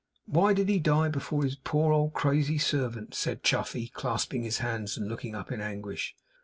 'Why did he die before his poor old crazy servant?' said Chuffey, clasping his hands and looking up in anguish.